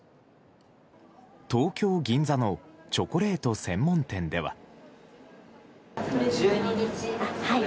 東京・銀座のチョコレート専門店では。